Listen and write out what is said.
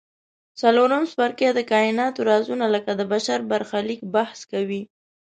څلورم څپرکی د کایناتو رازونه لکه د بشر برخلیک بحث کوي.